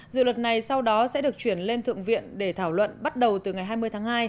dự luật này sau đó sẽ được chuyển lên thượng viện để thảo luận bắt đầu từ ngày hai mươi tháng hai